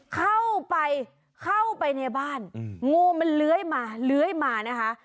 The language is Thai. เข้าไปในบ้านงูมันเลื้อยมานะฮะ